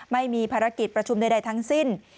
ไม่มีภารกิจประชุมใดทั้งสิ้น